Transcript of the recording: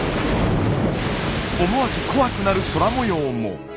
思わず怖くなる空もようも。